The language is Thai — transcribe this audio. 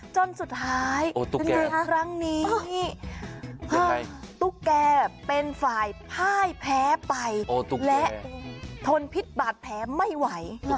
จนสุดท้ายนี่เค้าอะไรครับครั้งนี้ตุ๊กแก่เป็นฝ่ายพ่ายแพ้ไปและทนคนพิษบาดแพ้ไม่หว่า